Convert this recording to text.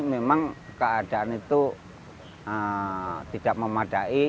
memang keadaan itu tidak memadai